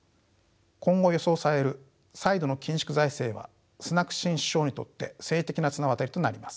今後予想される再度の緊縮財政はスナク新首相にとって政治的な綱渡りとなります。